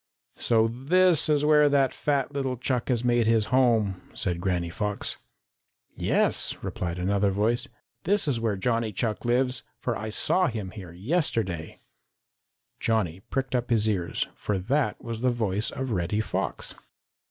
"So this is where that fat little Chuck has made his home," said Granny Fox. "Yes," replied another voice, "this is where Johnny Chuck lives, for I saw him here yesterday." Johnny pricked up his ears, for that was the voice of Reddy Fox.